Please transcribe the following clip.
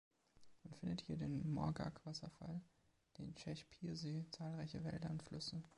Man findet hier den "Morghak"-Wasserfall, den "Tschesch-Pir"-See, zahlreiche Wälder und Flüsse.